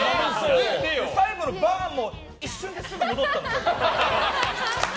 最後のバーンも一瞬ですぐ戻ったの。